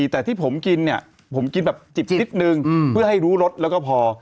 แต่ที่ผมกินเนี่ยผมกินแบบจิบนิดนึงเพื่อให้รู้รสแล้วก็พอ